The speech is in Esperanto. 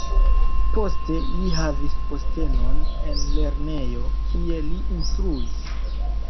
Poste li havis postenon en lernejo, kie li instruis.